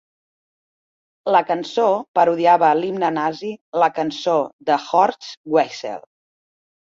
La cançó parodiava l'himne nazi, la "Cançó de Horst Wessel".